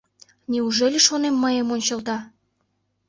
Неужели, шонем, мыйым ончылта.